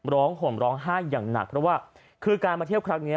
ห่มร้องไห้อย่างหนักเพราะว่าคือการมาเที่ยวครั้งนี้